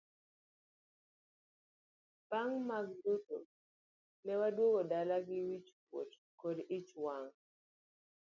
Bang' mag duto ne waduogo dala gi wich kuot kod ich wang'.